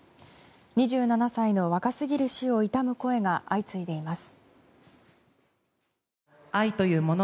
２７歳の若すぎる死を悼む声が相次いでいます。